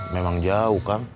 memang jauh kang